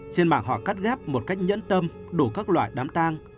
trên mạng họ cắt ghép một cách nhẫn tâm đủ các loại đám tang